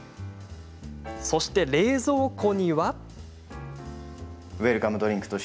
そして冷蔵庫には。